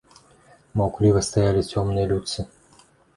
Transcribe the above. Маўкліва стаялі цёмныя людцы.